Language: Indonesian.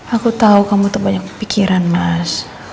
aku tau kamu terbanyak pikiran mas